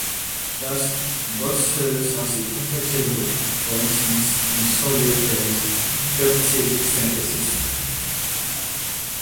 Thus, Boc serves as a protective group, for instance in solid phase peptide synthesis.